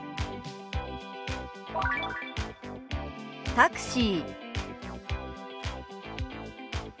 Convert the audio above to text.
「タクシー」。